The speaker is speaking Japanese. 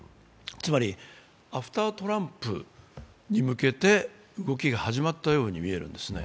つまりアフタートランプに向けて動きが始まったように見えるんですね。